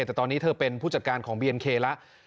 แต่ตอนนี้เธอเป็นผู้จัดการของเบียนเคแล้ว